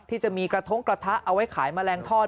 ที่จะมีกระทงกระทะเอาไว้ขายแมลงทอด